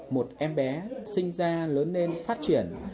một em bé sinh ra lớn lên phát triển